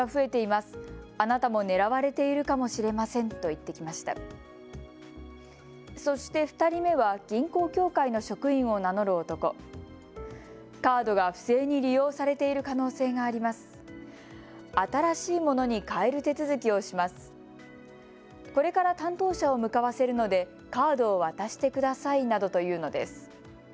これから担当者を向かわせるのでカードを渡してくださいなどと言うのです。